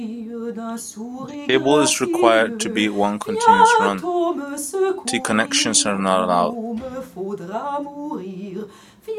The cable is required to be one continuous run; T-connections are not allowed.